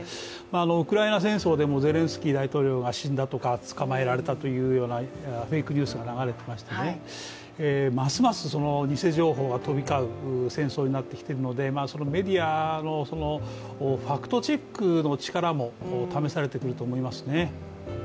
ウクライナ戦争でもゼレンスキー大統領が死んだとか、捕まえられたというようなフェークニュースが流れていましてねますます偽情報が飛び交う戦争になってきているので、メディアのファクトチェックの力も試されてくると思いますね。